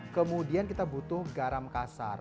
kemudian kita butuh garam kasar